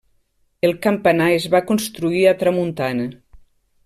El campanar es va construir a tramuntana.